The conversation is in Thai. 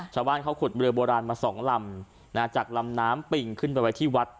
ชาวบ้านเขาขุดเรือโบราณมาสองลำจากลำน้ำปิ่งขึ้นไปไว้ที่วัด